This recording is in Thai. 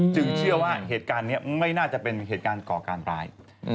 เชื่อว่าเหตุการณ์นี้ไม่น่าจะเป็นเหตุการณ์ก่อการร้าย